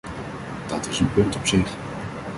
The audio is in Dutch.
Dat was een punt op zich.